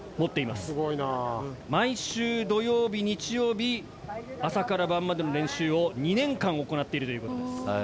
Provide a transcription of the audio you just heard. すごいな。毎週土曜日日曜日朝から晩までの練習を２年間行なってるということです。へ！